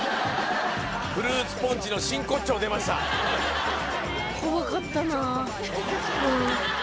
フルーツポンチの真骨頂出ました怖かったなあ